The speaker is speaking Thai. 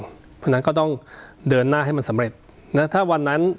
เพราะฉะนั้นก็ต้องเดินหน้าให้มันสำเร็จนะถ้าวันนั้น